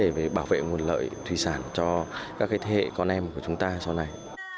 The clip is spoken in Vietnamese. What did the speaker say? và cái vấn đề về bảo vệ nguồn lợi thủy sản cho các cái thế hệ con em của chúng ta sau này